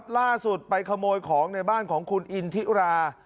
ล่าสุดไปขโมยของในบ้านของคุณอินทิรา